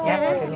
ya hati lu pun